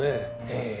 ええ。